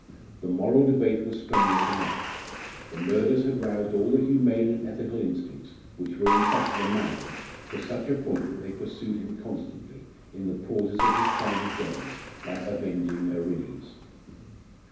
The moral debate was strenuous enough. The murders had roused all the humane and ethical instincts, which were in fact the man, to such a point that they pursued him constantly, in the pauses of his crowded days, like avenging Erinnyes.